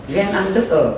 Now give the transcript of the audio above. ghen ăn tức ở